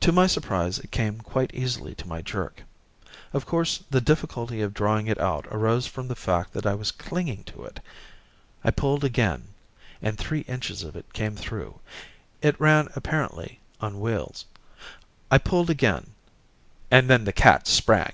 To my surprise it came quite easily to my jerk. Of course the difficulty of drawing it out arose from the fact that I was clinging to it. I pulled again, and three inches of it came through. It ran apparently on wheels. I pulled again ... and then the cat sprang!